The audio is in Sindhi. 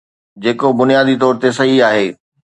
جيڪو بنيادي طور تي صحيح آهي.